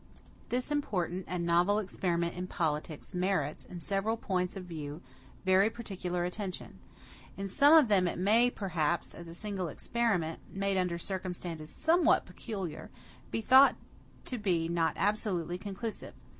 This important and novel experiment in politics merits, in several points of view, very particular attention. In some of them it may, perhaps, as a single experiment, made under circumstances somewhat peculiar, be thought to be not absolutely conclusive.